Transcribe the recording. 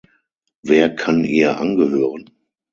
Wer kann ihr angehören?